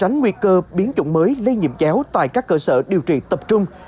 được biến chủng mới lây nhiễm chéo tại các cơ sở điều trị tập trung